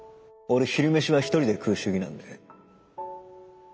俺昼飯は一人で食う主義なんで。